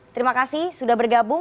terima kasih sudah bergabung